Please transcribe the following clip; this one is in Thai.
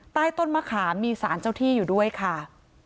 ใต้ต้นมะขามมีสารเจ้าที่อยู่ด้วยค่ะ